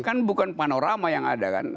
kan bukan panorama yang ada kan